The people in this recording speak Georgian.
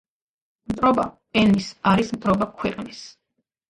მტრობა ენის არის მტრობა ქვეყნის.